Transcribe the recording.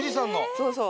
そうそう。